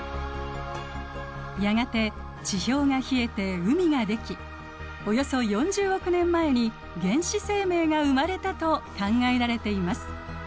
やがて地表が冷えて海ができおよそ４０億年前に原始生命が生まれたと考えられています。